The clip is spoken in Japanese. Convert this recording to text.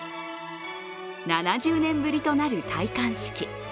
７０年ぶりとなる戴冠式。